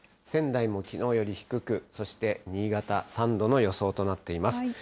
仙台もきのうより低く、そして新潟３度の予想となっています。